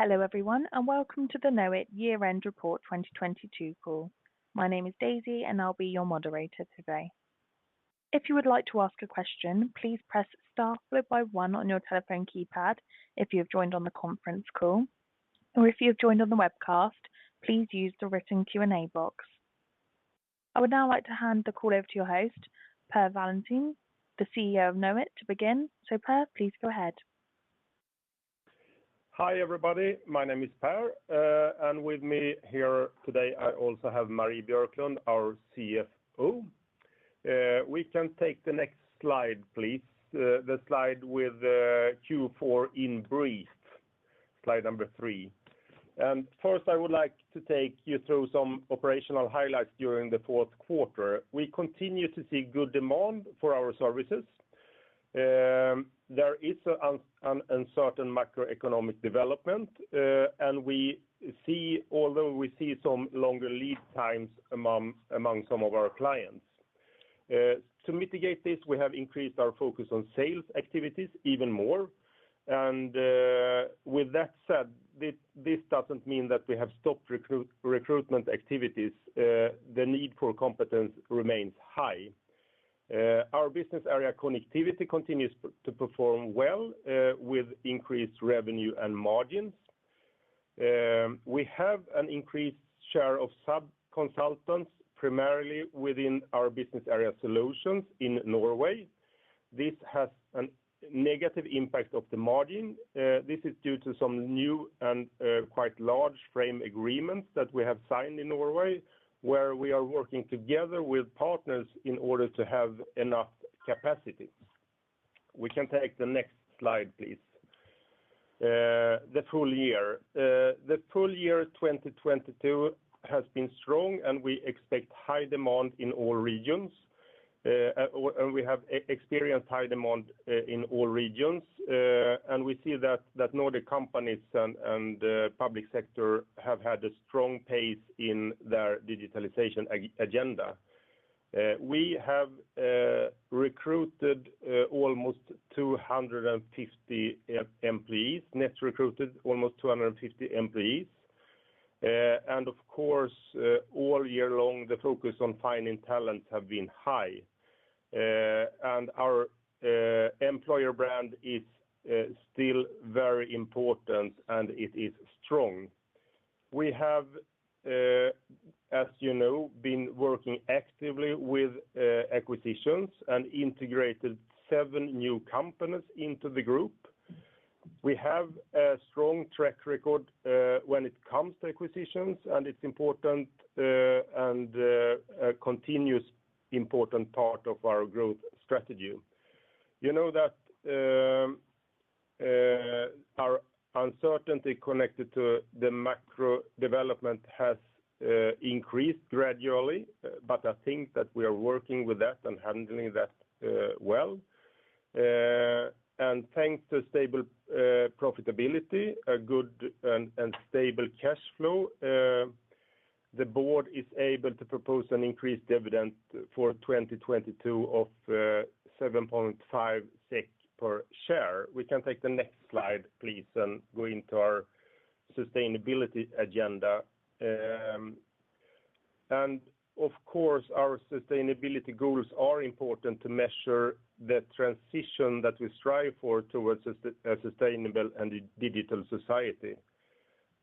Hello, everyone, welcome to the Knowit Year End Report 2022 call. My name is Daisy, and I'll be your moderator today. If you would like to ask a question, please press star followed by one on your telephone keypad if you have joined on the conference call. If you have joined on the webcast, please use the written Q&A box. I would now like to hand the call over to your host, Per Wallentin, the CEO of Knowit, to begin. Per, please go ahead. Hi, everybody. My name is Per. With me here today, I also have Marie Björklund, our CFO. We can take the next slide, please. The slide with Q4 in brief, slide number three. First, I would like to take you through some operational highlights during the fourth quarter. We continue to see good demand for our services. There is an uncertain macroeconomic development, although we see some longer lead times among some of our clients. To mitigate this, we have increased our focus on sales activities even more. With that said, this doesn't mean that we have stopped recruitment activities. The need for competence remains high. Our business area Connectivity continues to perform well, with increased revenue and margins. We have an increased share of subconsultants primarily within our business area Solutions in Norway. This has an negative impact of the margin. This is due to some new and quite large framework agreement that we have signed in Norway, where we are working together with partners in order to have enough capacity. We can take the next slide, please. The full year 2022 has been strong, and we expect high demand in all regions. We have experienced high demand in all regions. We see that Nordic companies and the public sector have had a strong pace in their digitalization agenda. We have recruited almost 250 employees, net recruited almost 250 employees. Of course, all year long, the focus on finding talent have been high. Our employer brand is still very important, and it is strong. We have, as you know, been working actively with acquisitions and integrated seven new companies into the group. We have a strong track record when it comes to acquisitions, and it's important and a continuous important part of our growth strategy. You know that our uncertainty connected to the macro development has increased gradually, but I think that we are working with that and handling that well. Thanks to stable profitability, a good and stable cash flow, the board is able to propose an increased dividend for 2022 of 7.5 SEK per share. We can take the next slide, please, go into our sustainability agenda. Of course, our sustainability goals are important to measure the transition that we strive for towards a sustainable and a digital society.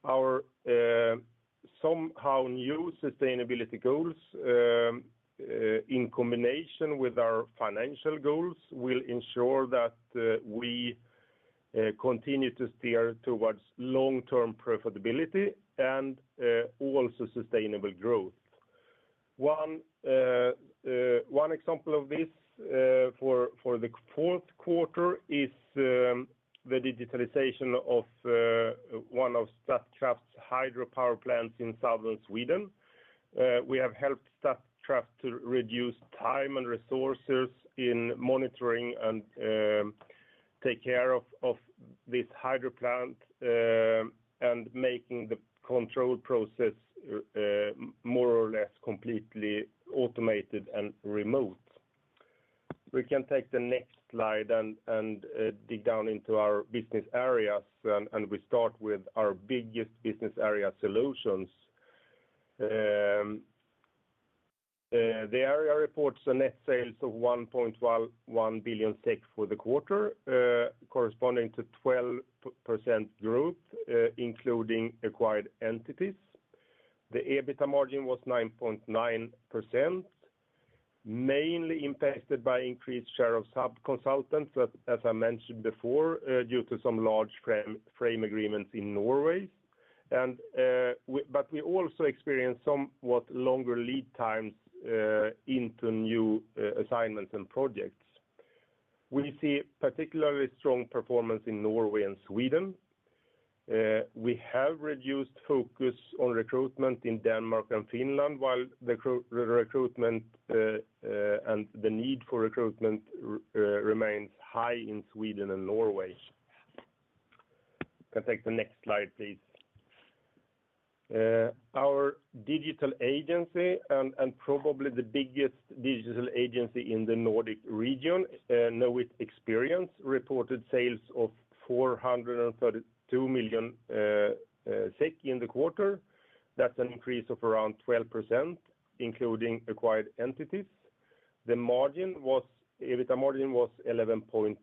Our somehow new sustainability goals in combination with our financial goals will ensure that we continue to steer towards long-term profitability and also sustainable growth. One example of this for the fourth quarter is the digitalization of one of Statkraft's hydropower plants in southern Sweden. We have helped Statkraft to reduce time and resources in monitoring and take care of this hydro plant, and making the control process more or less completely automated and remote. We can take the next slide and dig down into our business areas, and we start with our biggest business area Solutions. The area reports a net sales of 1.11 billion SEK for the quarter, corresponding to 12% growth, including acquired entities. The EBITDA margin was 9.9%, mainly impacted by increased share of subconsultants, as I mentioned before, due to some large framework agreement in Norway. We also experienced somewhat longer lead times into new assignments and projects. We see particularly strong performance in Norway and Sweden. We have reduced focus on recruitment in Denmark and Finland, while the recruitment and the need for recruitment remains high in Sweden and Norway. Can take the next slide, please. Our digital agency and probably the biggest digital agency in the Nordic region, Knowit Experience, reported sales of 432 million in the quarter. That's an increase of around 12%, including acquired entities. EBITDA margin was 11.2%.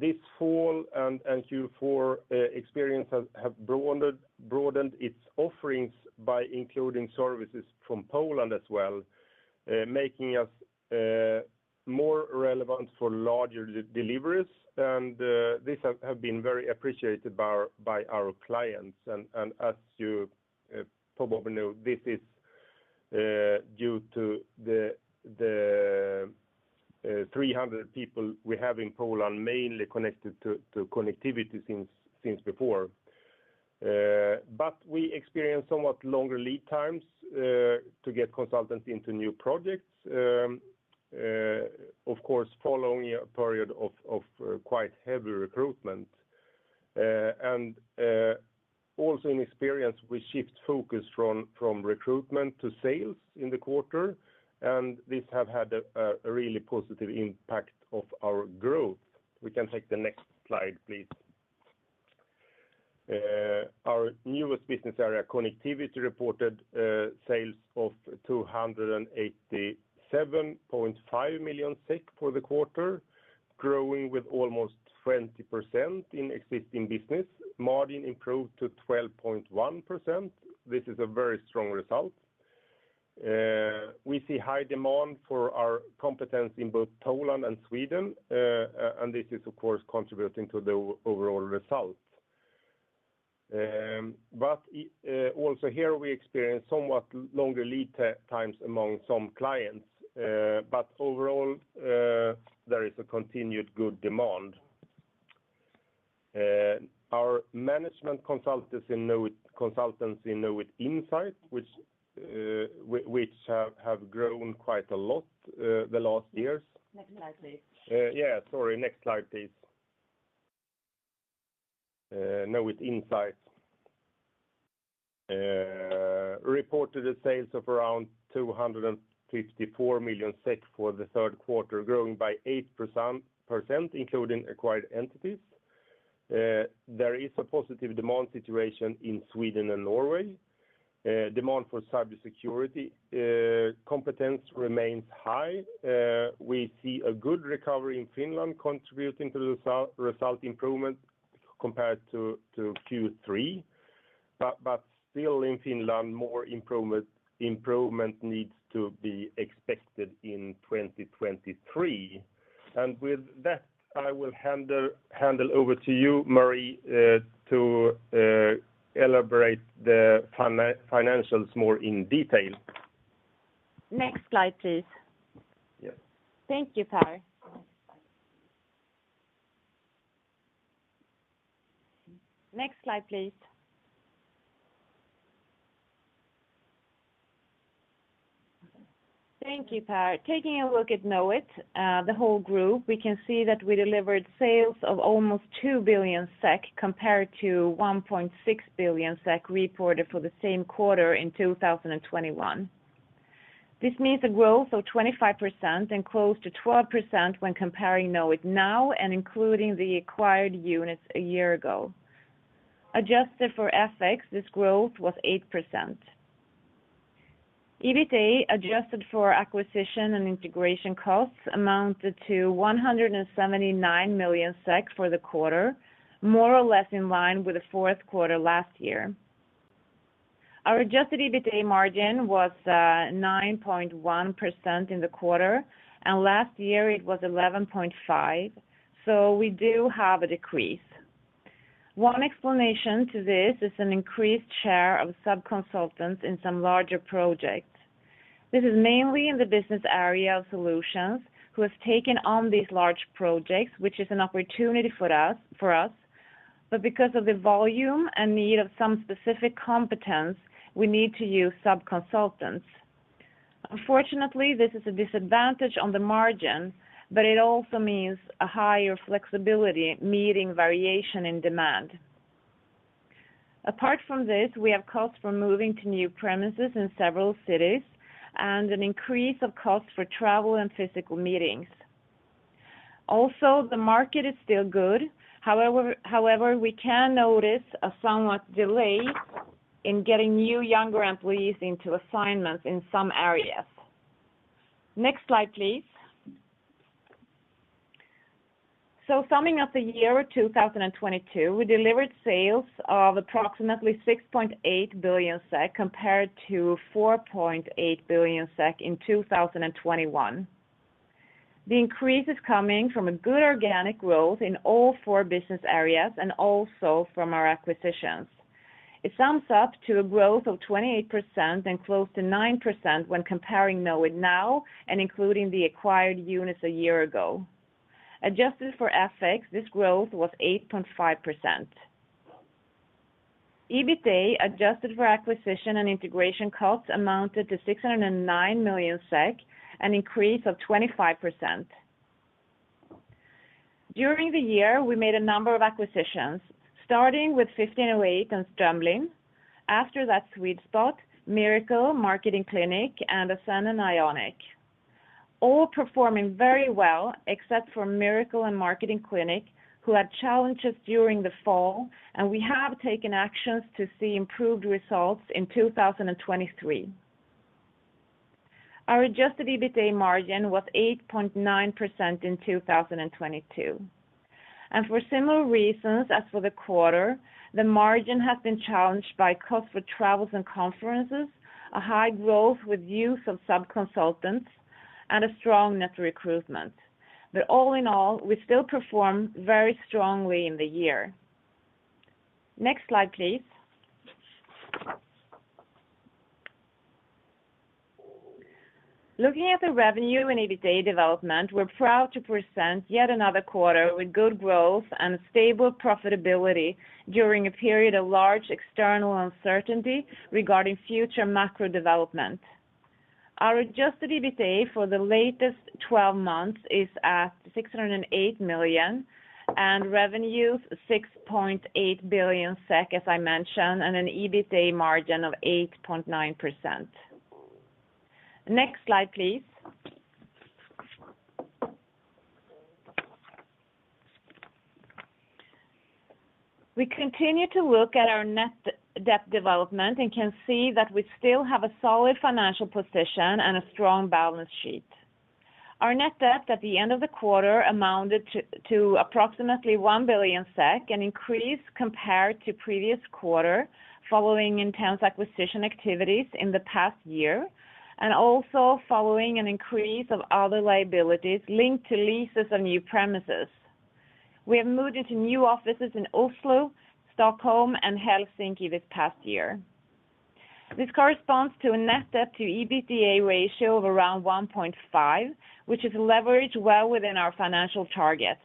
This fall and Q4, Knowit Experience have broadened its offerings by including services from Poland as well, making us more relevant for larger de-deliveries. This have been very appreciated by our clients. As you probably know, this is due to the 300 people we have in Poland mainly connected to Connectivity since before. We experience somewhat longer lead times to get consultants into new projects. Of course, following a period of quite heavy recruitment. Also in Knowit Experience, we shift focus from recruitment to sales in the quarter, and this have had a really positive impact of our growth. We can take the next slide, please. Our newest business area, Connectivity, reported sales of 287.5 million for the quarter, growing with almost 20% in existing business. Margin improved to 12.1%. This is a very strong result. We see high demand for our competence in both Poland and Sweden, and this is of course contributing to the overall result. Also here we experience somewhat longer lead times among some clients. Overall, there is a continued good demand. Our management consultants in Knowit Insight, which have grown quite a lot the last years. Next slide, please. Yeah, sorry. Next slide, please. Knowit Insight reported a sales of around 254 million SEK for the third quarter, growing by 8% including acquired entities. There is a positive demand situation in Sweden and Norway. Demand for cybersecurity competence remains high. We see a good recovery in Finland contributing to the result improvement compared to Q3. Still in Finland, more improvement needs to be expected in 2023. With that, I will handle over to you, Marie, to elaborate the financials more in detail. Next slide, please. Yes. Thank you, Per. Next slide, please. Thank you, Per. Taking a look at Knowit, the whole group, we can see that we delivered sales of almost 2 billion SEK compared to 1.6 billion SEK reported for the same quarter in 2021. This means a growth of 25% and close to 12% when comparing Knowit now and including the acquired units a year ago. Adjusted for FX, this growth was 8%. EBITA, adjusted for acquisition and integration costs, amounted to 179 million SEK for the quarter, more or less in line with the fourth quarter last year. Our adjusted EBITA margin was 9.1% in the quarter, and last year it was 11.5%. We do have a decrease. One explanation to this is an increased share of subconsultants in some larger projects. This is mainly in the business area of Solutions, who has taken on these large projects, which is an opportunity for us. Because of the volume and need of some specific competence, we need to use subconsultants. Unfortunately, this is a disadvantage on the margin, but it also means a higher flexibility meeting variation in demand. Apart from this, we have costs for moving to new premises in several cities and an increase of costs for travel and physical meetings. The market is still good. However, we can notice a somewhat delay in getting new younger employees into assignments in some areas. Next slide, please. Summing up the year 2022, we delivered sales of approximately 6.8 billion SEK compared to 4.8 billion SEK in 2021. The increase is coming from a good organic growth in all four business areas and also from our acquisitions. It sums up to a growth of 28% and close to 9% when comparing Knowit now and including the acquired units a year ago. Adjusted for FX, this growth was 8.5%. EBITA, adjusted for acquisition and integration costs amounted to 609 million SEK, an increase of 25%. During the year, we made a number of acquisitions, starting with 1508 and Strømlin. Swedspot, Miracle, Marketing Clinic, and Ascend and Ionic. All performing very well, except for Miracle and Marketing Clinic, who had challenges during the fall, and we have taken actions to see improved results in 2023. Our Adjusted EBITA margin was 8.9% in 2022. For similar reasons as for the quarter, the margin has been challenged by cost for travels and conferences, a high growth with use of subconsultants, and a strong net recruitment. All in all, we still perform very strongly in the year. Next slide, please. Looking at the revenue and EBITA development, we're proud to present yet another quarter with good growth and stable profitability during a period of large external uncertainty regarding future macro development. Our Adjusted EBITA for the latest 12 months is at 608 million, and revenue 6.8 billion SEK, as I mentioned, and an EBITA margin of 8.9%. Next slide, please. We continue to look at our Net Debt development and can see that we still have a solid financial position and a strong balance sheet. Our net debt at the end of the quarter amounted to approximately 1 billion SEK, an increase compared to previous quarter, following intense acquisition activities in the past year. Also following an increase of other liabilities linked to leases on new premises, we have moved into new offices in Oslo, Stockholm, and Helsinki this past year. This corresponds to a Net Debt/EBITDA ratio of around 1.5, which is leveraged well within our financial targets.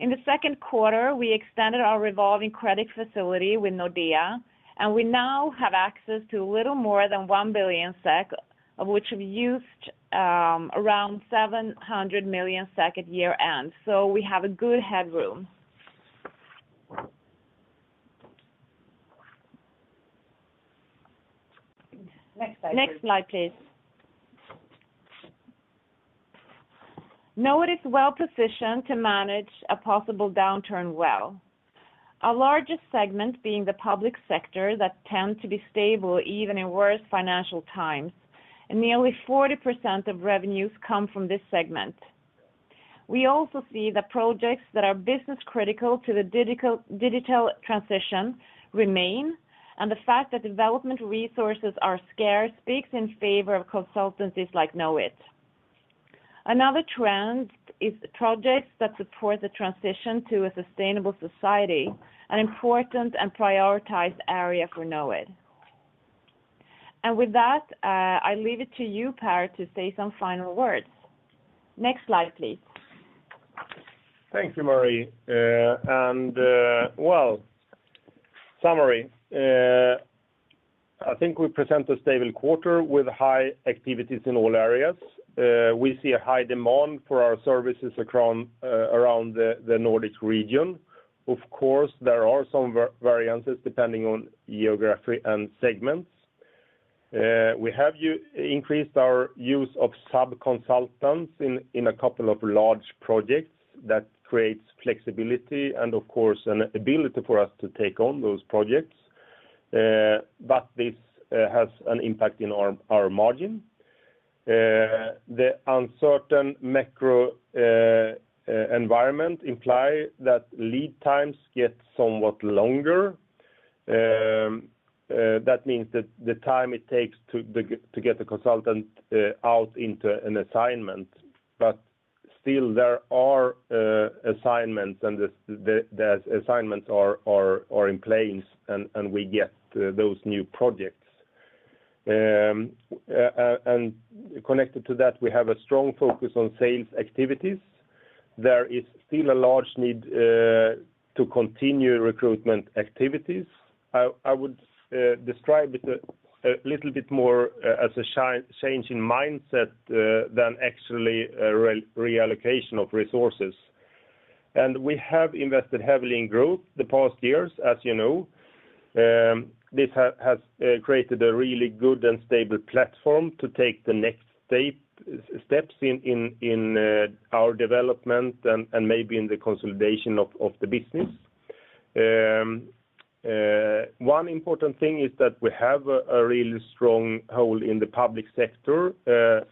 In the second quarter, we extended our revolving credit facility with Nordea. We now have access to a little more than 1 billion SEK, of which we used around 700 million SEK at year-end. We have a good headroom. Next slide, please. Next slide, please. Knowit is well-positioned to manage a possible downturn well. Our largest segment being the public sector that tend to be stable even in worse financial times, and nearly 40% of revenues come from this segment. We also see the projects that are business critical to the digital transition remain, and the fact that development resources are scarce speaks in favor of consultancies like Knowit. Another trend is projects that support the transition to a sustainable society, an important and prioritized area for Knowit. With that, I leave it to you, Per Wallentin, to say some final words. Next slide, please. Thank you, Marie. summary. I think we present a stable quarter with high activities in all areas. We see a high demand for our services across around the Nordic region. Of course, there are some variances depending on geography and segments. We have increased our use of subconsultants in a couple of large projects that creates flexibility and of course, an ability for us to take on those projects. This has an impact in our margin. The uncertain macro environment imply that lead times get somewhat longer. That means that the time it takes to get the consultant out into an assignment, but still there are assignments and the assignments are in place and we get those new projects. Connected to that, we have a strong focus on sales activities. There is still a large need to continue recruitment activities. I would describe it a little bit more as a change in mindset than actually a reallocation of resources. We have invested heavily in growth the past years, as you know. This has created a really good and stable platform to take the next steps in our development and maybe in the consolidation of the business. One important thing is that we have a really strong hold in the public sector.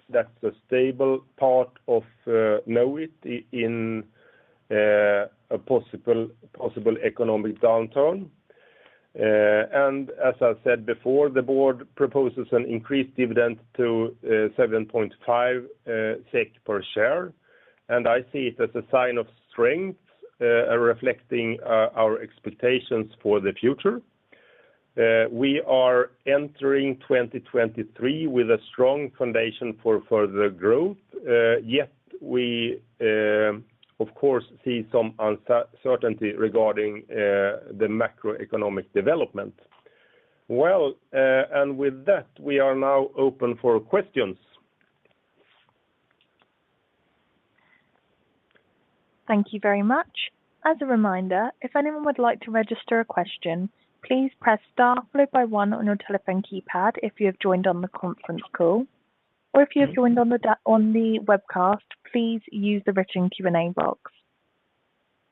That's a stable part of Knowit in a possible economic downturn. As I said before, the board proposes an increased dividend to 7.5 SEK per share. I see it as a sign of strength, reflecting our expectations for the future. We are entering 2023 with a strong foundation for the growth. Yet we, of course, see some uncertainty regarding the macroeconomic development. Well, with that, we are now open for questions. Thank you very much. As a reminder, if anyone would like to register a question, please press star followed by one on your telephone keypad if you have joined on the conference call. If you have joined on the webcast, please use the written Q&A box.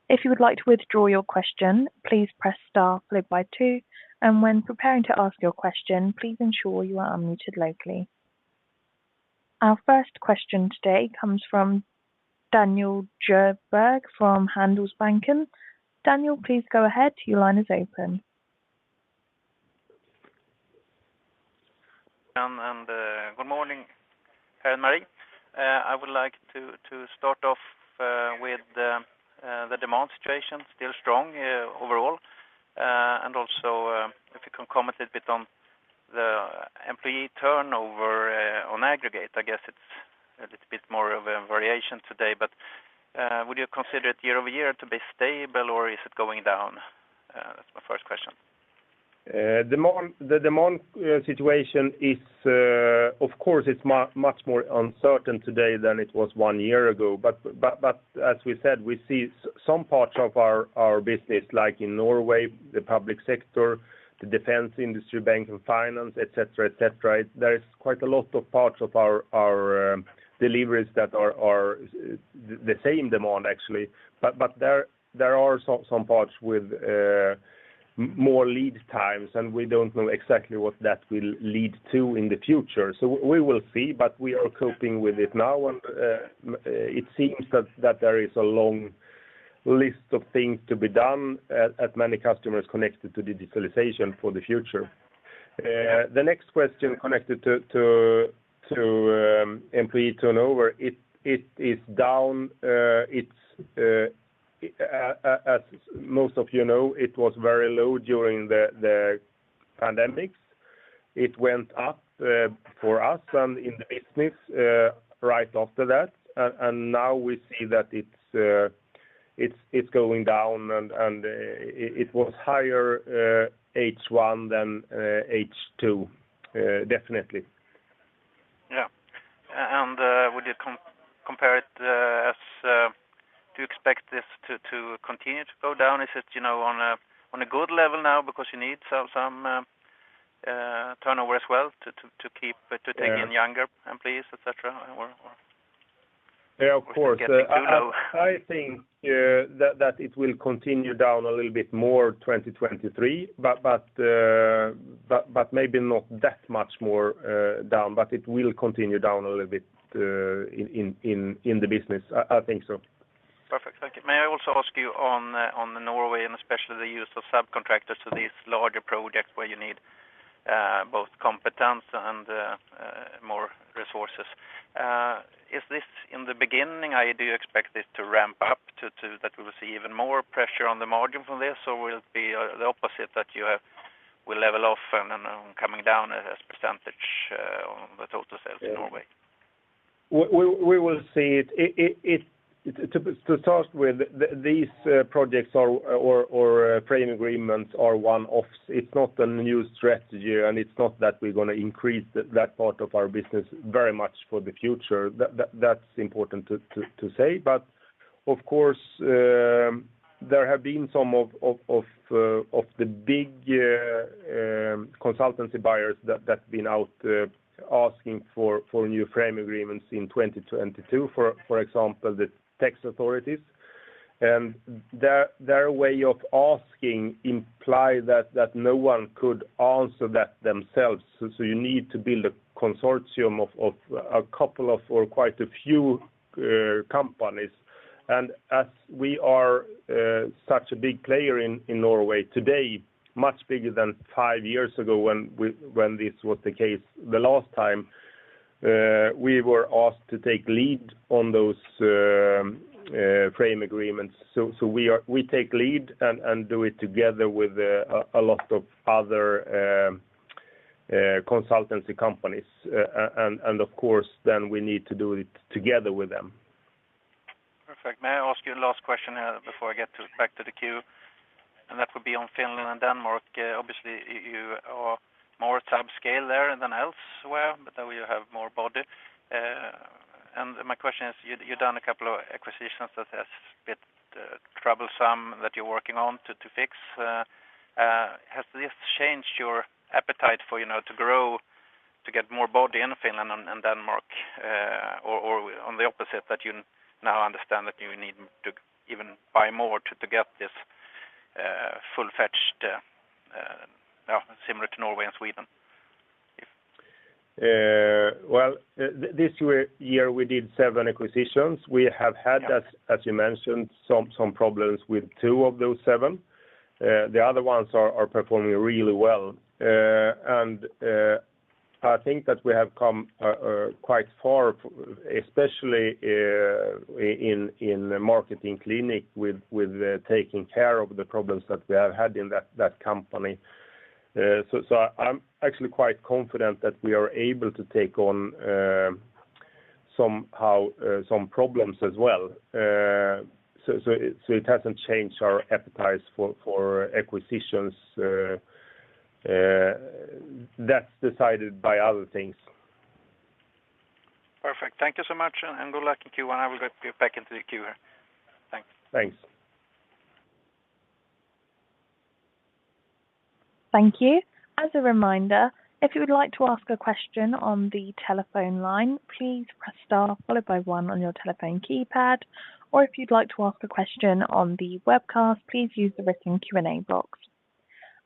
If you would like to withdraw your question, please press star followed by two, and when preparing to ask your question, please ensure you are unmuted locally. Our first question today comes from Daniel Djurberg from Handelsbanken. Daniel, please go ahead. Your line is open. Good morning, Per and Marie. I would like to start off, with the demand situation, still strong, overall. Also, if you can comment a bit on the employee turnover, on aggregate. I guess it's a little bit more of a variation today, but, would you consider it year-over-year to be stable, or is it going down? That's my first question. Demand, the demand situation is, of course, it's much more uncertain today than it was one year ago. As we said, we see some parts of our business, like in Norway, the public sector, the defense industry, bank and finance, et cetera, et cetera, there is quite a lot of parts of our deliveries that are the same demand actually. There are some parts with more lead times, and we don't know exactly what that will lead to in the future. We will see, but we are coping with it now. It seems that there is a long list of things to be done at many customers connected to digitalization for the future. The next question connected to employee turnover, it is down. It's, as most of you know, it was very low during the pandemic. It went up for us and in the business right after that. Now we see that it's going down and it was higher H1 than H2 definitely. Yeah. Would you compare it, as, do you expect this to continue to go down? Is it, you know, on a good level now because you need some turnover as well to keep, to take in younger employees, et cetera, or? Yeah, of course. Is it getting too low? I think that it will continue down a little bit more 2023, but maybe not that much more down, but it will continue down a little bit in the business. I think so. Perfect. Thank you. May I also ask you on the Norway and especially the use of subcontractors to these larger projects where you need both competence and more resources. Is this in the beginning? Do you expect this to ramp up to that we will see even more pressure on the margin from this, or will it be the opposite that you have will level off and then, coming down as % on the total sales in Norway? We will see. It to start with, these projects or framework agreement are one-offs. It's not a new strategy, and it's not that we're gonna increase that part of our business very much for the future. That's important to say. Of course, there have been some of the big consultancy buyers that's been out asking for new framework agreement in 2022, for example, the tax authorities. Their way of asking imply that no one could answer that themselves. You need to build a consortium of a couple of or quite a few companies. As we are such a big player in Norway today, much bigger than five years ago when this was the case the last time, we were asked to take lead on those framework agreement. We take lead and do it together with a lot of other consultancy companies. Of course, then we need to do it together with them. Perfect. May I ask you a last question before I back to the queue? That would be on Finland and Denmark. Obviously, you are more subscale there than elsewhere, but you have more body. My question is, you've done a couple of acquisitions that has been troublesome that you're working on to fix. Has this changed your appetite for, you know, to grow, to get more body in Finland and Denmark? On the opposite, that you now understand that you need to even buy more to get this full-fledged similar to Norway and Sweden? Well, this year we did seven acquisitions. We have had, as you mentioned, some problems with two of those seven. The other ones are performing really well. I think that we have come quite far, especially in the Marketing Clinic with taking care of the problems that we have had in that company. I'm actually quite confident that we are able to take on somehow some problems as well. It hasn't changed our appetite for acquisitions. That's decided by other things. Perfect. Thank you so much, and good luck in Q1. I will get you back into the queue. Thanks. Thanks. Thank you. As a reminder, if you would like to ask a question on the telephone line, please press star followed by one on your telephone keypad, or if you'd like to ask a question on the webcast, please use the written Q&A box.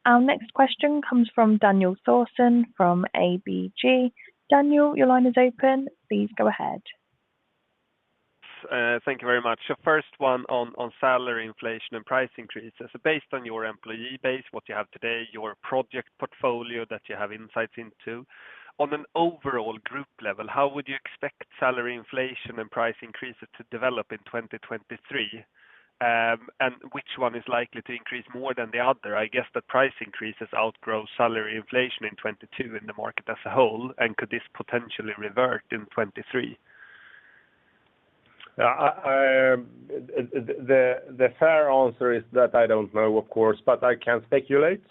Our next question comes from Daniel Thorsson from ABG. Daniel, your line is open. Please go ahead. Thank you very much. First one on salary inflation and price increases. Based on your employee base, what you have today, your project portfolio that you have insights into, on an overall group level, how would you expect salary inflation and price increases to develop in 2023? Which one is likely to increase more than the other? I guess the price increases outgrow salary inflation in 2022 in the market as a whole, could this potentially revert in 2023? The fair answer is that I don't know, of course, but I can speculate,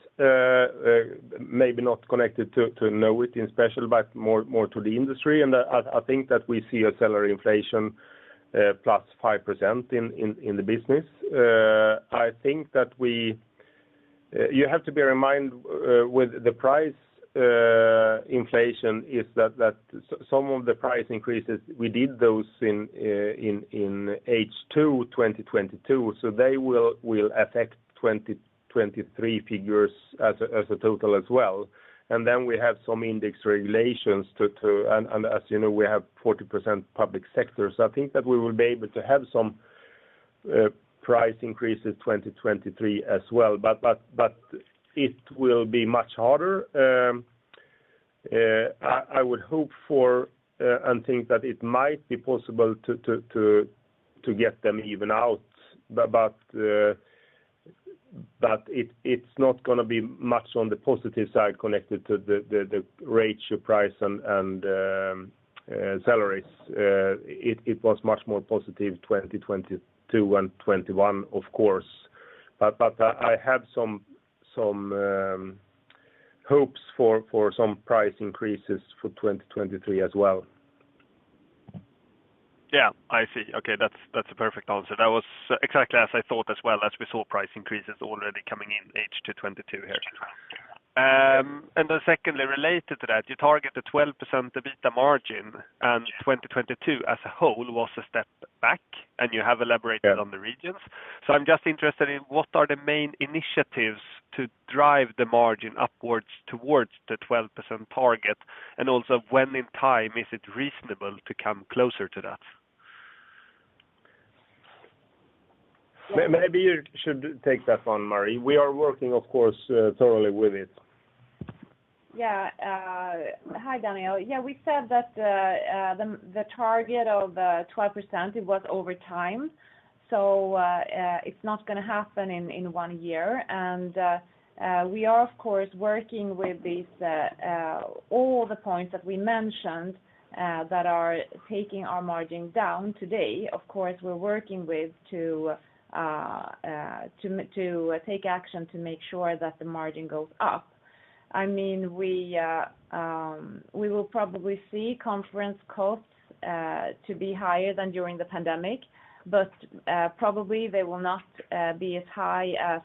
maybe not connected to Knowit in special, but more to the industry. I think that we see a salary inflation, +5% in the business. You have to bear in mind, with the price, inflation is that some of the price increases, we did those in H2 2022, so they will affect 2023 figures as a total as well. Then we have some index regulations to. As you know, we have 40% public sector. I think that we will be able to have some price increases 2023 as well. It will be much harder. I would hope for and think that it might be possible to get them even out. It's not gonna be much on the positive side connected to the ratio price and salaries. It was much more positive 2022 and 2021, of course. I have some hopes for some price increases for 2023 as well. Yeah, I see. Okay. That's a perfect answer. That was exactly as I thought as well as we saw price increases already coming in H2 2022 here. Secondly, related to that, you target the 12% EBITDA margin, 2022 as a whole was a step back, you have elaborated- Yeah. On the regions. I'm just interested in what are the main initiatives to drive the margin upwards towards the 12% target, and also when in time is it reasonable to come closer to that? Maybe you should take that one, Marie. We are working, of course, thoroughly with it. Hi, Daniel. We said that the target of 12%, it was over time. It's not gonna happen in one year. We are of course working with these all the points that we mentioned that are taking our margin down today. Of course, we're working with to take action to make sure that the margin goes up. I mean, we will probably see conference costs to be higher than during the pandemic, probably they will not be as high as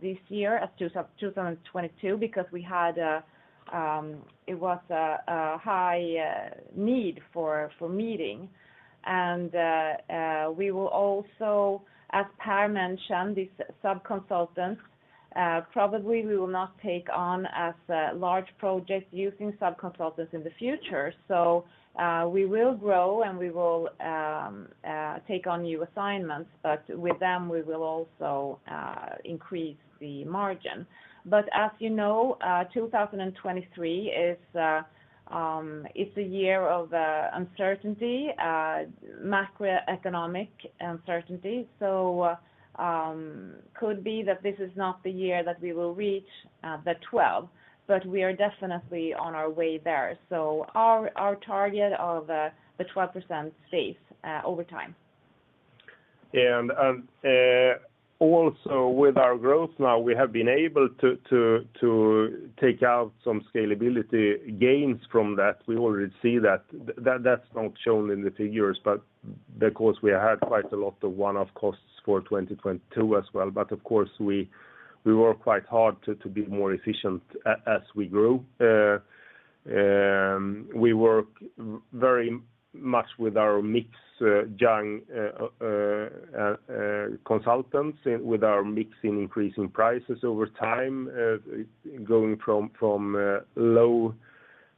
this year as 2022 because we had a high need for meeting. We will also, as Per mentioned, these subconsultants, probably we will not take on as large projects using subconsultants in the future. We will grow, and we will take on new assignments, but with them, we will also increase the margin. As you know, 2023 is a year of uncertainty, macroeconomic uncertainty. Could be that this is not the year that we will reach the 12, but we are definitely on our way there. Our target of the 12% stays over time. Also with our growth now, we have been able to take out some scalability gains from that. We already see that. That's not shown in the figures, but because we had quite a lot of one-off costs for 2022 as well. Of course, we work quite hard to be more efficient as we grow. We work very much with our mix, young consultants with our mix in increasing prices over time, going from low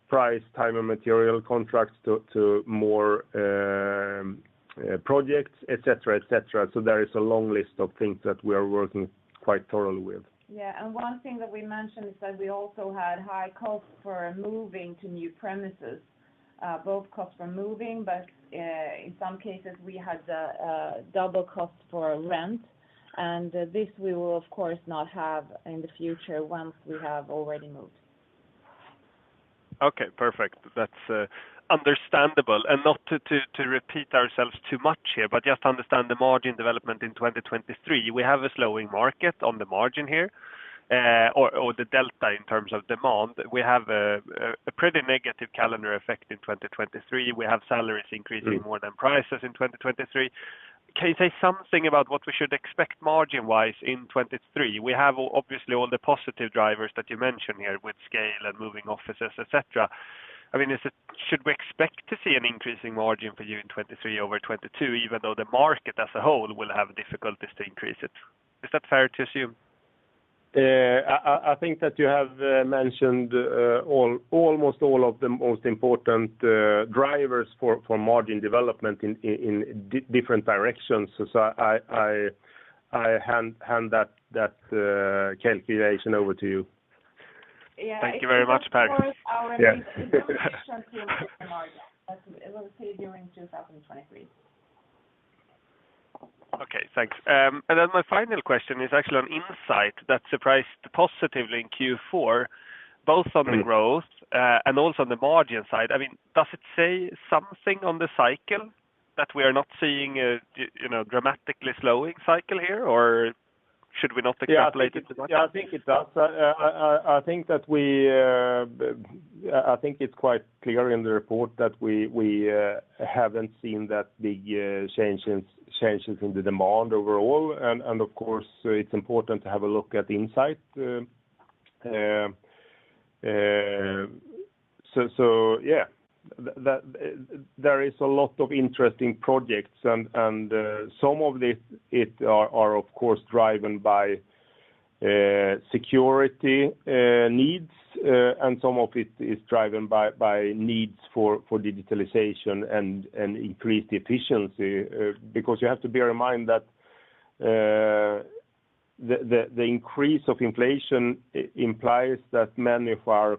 price Time and Materials contract to more projects, et cetera, et cetera. There is a long list of things that we are working quite thoroughly with. Yeah. One thing that we mentioned is that we also had high costs for moving to new premises. Both costs were moving, but in some cases we had double cost for rent. This we will of course not have in the future once we have already moved. Okay, perfect. That's understandable. Not to repeat ourselves too much here, but just to understand the margin development in 2023. We have a slowing market on the margin here, or the delta in terms of demand. We have a pretty negative calendar effect in 2023. We have salaries increasing more than prices in 2023. Can you say something about what we should expect margin wise in 2023? We have obviously all the positive drivers that you mentioned here with scale and moving offices, et cetera. I mean, should we expect to see an increasing margin for you in 2023 over 2022, even though the market as a whole will have difficulties to increase it? Is that fair to assume? I think that you have mentioned almost all of the most important drivers for margin development in different directions. I hand that calculation over to you. Yeah. Thank you very much, Per. Yeah. Okay, thanks. My final question is actually on Knowit Insight that surprised positively in Q4, both on the growth and also on the margin side. I mean, does it say something on the cycle that we are not seeing a you know, dramatically slowing cycle here, or should we not extrapolate it too much? Yeah, I think it does. I think that we, I think it's quite clear in the report that we haven't seen that big changes in the demand overall. Of course it's important to have a look at Insight. Yeah. There is a lot of interesting projects and some of this it are of course driven by security needs and some of it is driven by needs for digitalization and increased efficiency. Because you have to bear in mind that the increase of inflation implies that many of our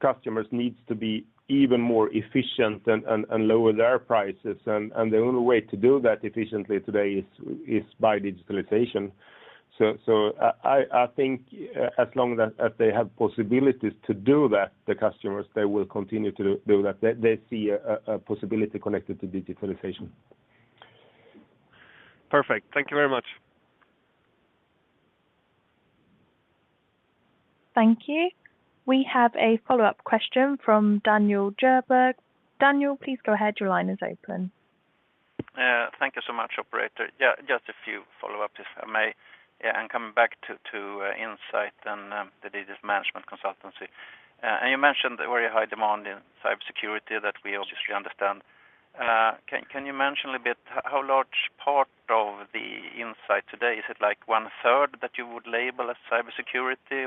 customers needs to be even more efficient and lower their prices. The only way to do that efficiently today is by digitalization. I think as long as they have possibilities to do that, the customers, they will continue to do that. They see a possibility connected to digitalization. Perfect. Thank you very much. Thank you. We have a follow-up question from Daniel Djurberg. Daniel, please go ahead. Your line is open. Thank you so much, operator. Just a few follow-up if I may. Coming back to Knowit Insight and the digital management consultancy. You mentioned the very high demand in cybersecurity that we obviously understand. Can you mention a bit how large part of the Knowit Insight today, is it like 1/3 that you would label as cybersecurity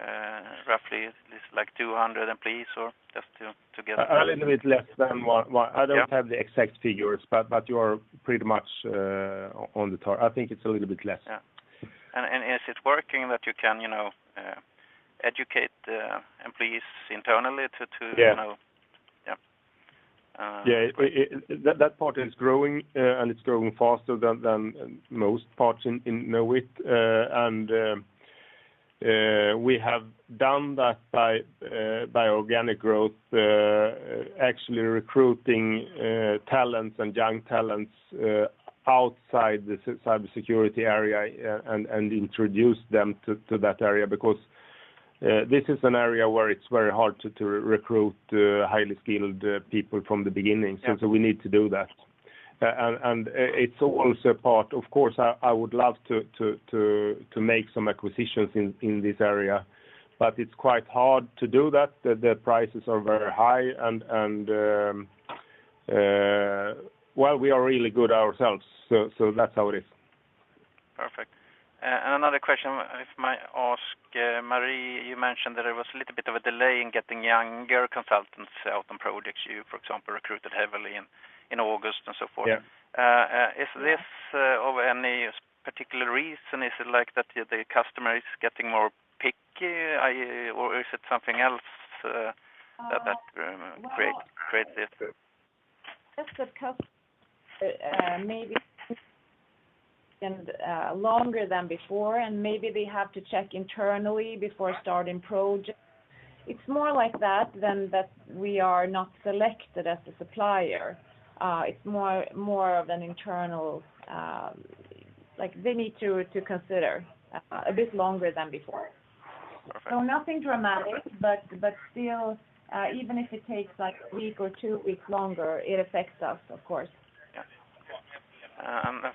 or, roughly is like 200 employees or just to get? A little bit less than one. Yeah. I don't have the exact figures, but you are pretty much, I think it's a little bit less. Yeah. Is it working that you can, you know, educate employees internally to... Yeah. You know? Yeah. Yeah. That part is growing, and it's growing faster than most parts in Knowit. We have done that by organic growth, actually recruiting talents and young talents outside the cybersecurity area, and introduce them to that area because this is an area where it's very hard to recruit highly skilled people from the beginning. Yeah. We need to do that. It's also part of course, I would love to make some acquisitions in this area, but it's quite hard to do that. The prices are very high and, well, we are really good ourselves. That's how it is. Perfect. Another question, if I might ask, Marie, you mentioned that there was a little bit of a delay in getting younger consultants out on projects. You, for example, recruited heavily in August and so forth. Yeah. Is this of any particular reason? Is it like that the customer is getting more picky, or is it something else that create this? Just that maybe longer than before, and maybe they have to check internally before starting projects. It's more like that than that we are not selected as a supplier. It's more of an internal, like they need to consider, a bit longer than before. Perfect. Nothing dramatic, but still, even if it takes like a week or two weeks longer, it affects us, of course. Yeah.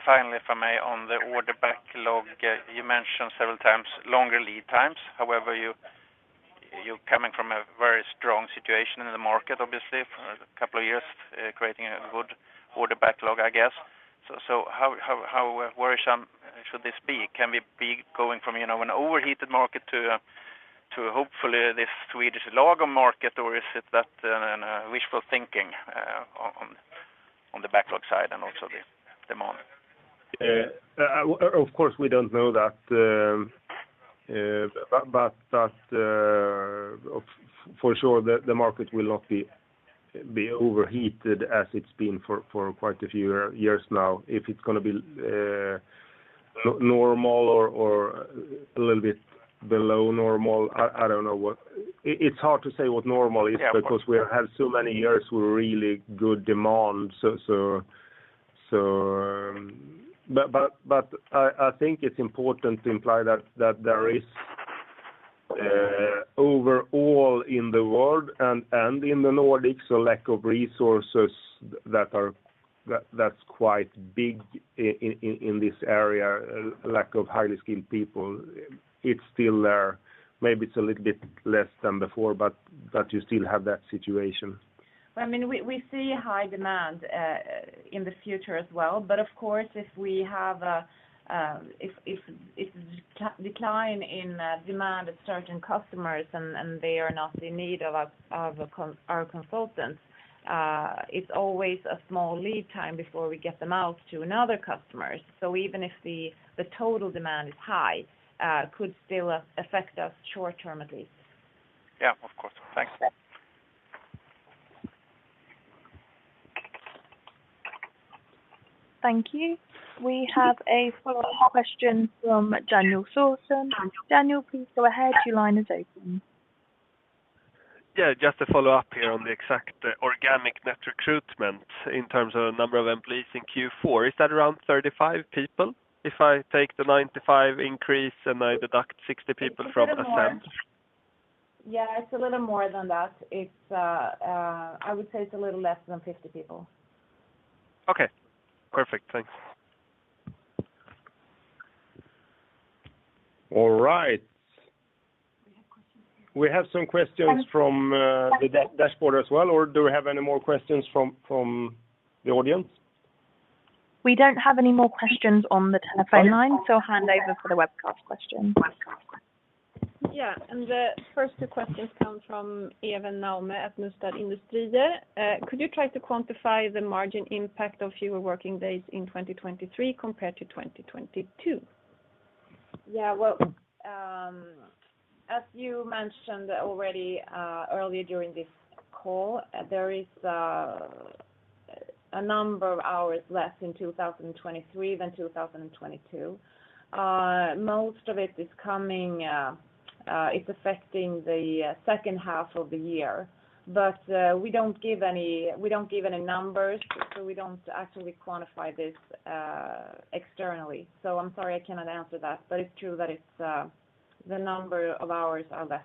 Finally, if I may, on the order backlog, you mentioned several times longer lead times, however, you're coming from a very strong situation in the market, obviously for a couple of years, creating a good order backlog, I guess. How worrisome should this be? Can we be going from, you know, an overheated market to hopefully this Swedish labor market, or is it that wishful thinking on the On the backlog side and also the demand. Of course, we don't know that, but that, for sure the market will not be overheated as it's been for quite a few years now. If it's gonna be normal or a little bit below normal, I don't know what. It's hard to say what normal is because we have had so many years with really good demand. I think it's important to imply that there is overall in the world and in the Nordics, a lack of resources that's quite big in this area, lack of highly skilled people. It's still there. Maybe it's a little bit less than before, but you still have that situation. I mean, we see high demand in the future as well. Of course, if we have a, if there's a decline in demand of certain customers and they are not in need of our consultants, it's always a small lead time before we get them out to another customer. Even if the total demand is high, could still affect us short term, at least. Yeah, of course. Thanks. Thank you. We have a follow-up question from Daniel Thorsson. Daniel, please go ahead. Your line is open. Yeah, just to follow up here on the exact organic net recruitment in terms of the number of employees in Q4. Is that around 35 people? If I take the 95 increase and I deduct 60 people from Ascend. It's a little more. Yeah, it's a little more than that. It's, I would say it's a little less than 50 people. Okay. Perfect. Thanks. All right. We have questions here. We have some questions from the dashboard as well, or do we have any more questions from the audience? We don't have any more questions on the telephone line, so I'll hand over for the webcast question. Webcast question. Yeah. The first two questions come from Even Naume at Mustad Industrier. Could you try to quantify the margin impact of fewer working days in 2023 compared to 2022? Well, as you mentioned already, earlier during this call, there is a number of hours less in 2023 than 2022. Most of it is coming, it's affecting the second half of the year. We don't give any numbers, so we don't actually quantify this externally. I'm sorry, I cannot answer that. It's true that it's the number of hours are less.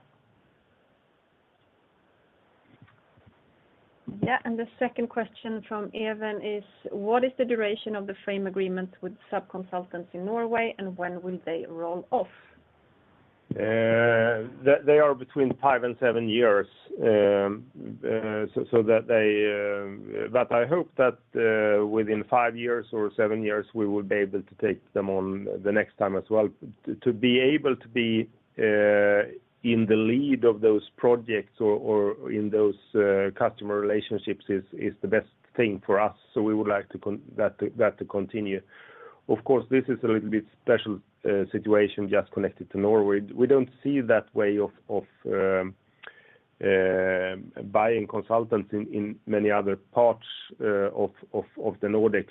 Yeah. The second question from Even is, what is the duration of the frame agreement with subconsultants in Norway, and when will they roll off? They are between five and seven years. I hope that within five years or seven years, we will be able to take them on the next time as well. To be able to be in the lead of those projects or in those customer relationships is the best thing for us. We would like that to continue. Of course, this is a little bit special situation just connected to Norway. We don't see that way of buying consultants in many other parts of the Nordics.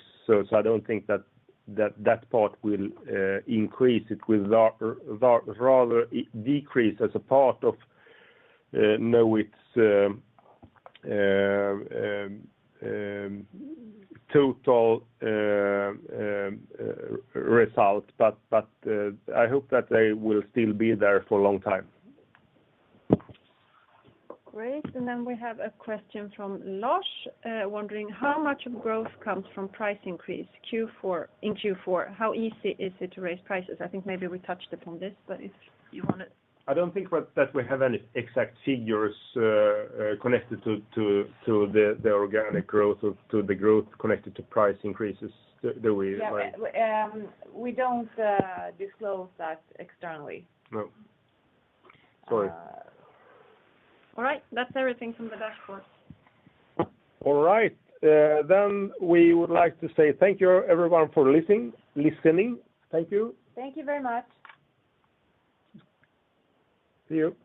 I don't think that part will increase. It will rather decrease as a part of Knowit's total result. I hope that they will still be there for a long time. Great. We have a question from Lars wondering how much of growth comes from price increase Q4, in Q4? How easy is it to raise prices? I think maybe we touched upon this, but if you. I don't think that we have any exact figures, connected to the growth connected to price increases. Yeah. We don't disclose that externally. No. Sorry. All right. That's everything from the dashboard. All right. We would like to say thank you, everyone, for listening. Thank you. Thank you very much. See you.